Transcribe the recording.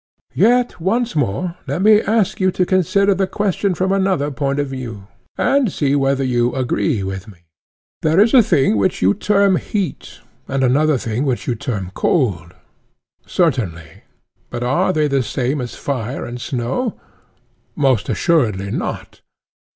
Yet once more let me ask you to consider the question from another point of view, and see whether you agree with me:—There is a thing which you term heat, and another thing which you term cold? Certainly. But are they the same as fire and snow? Most assuredly not.